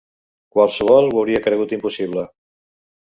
Qualsevol ho hauria cregut impossible